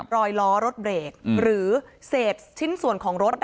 รอยล้อรถเบรกหรือเศษชิ้นส่วนของรถ